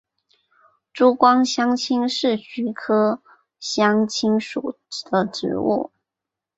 珠光香青是菊科香青属的植物。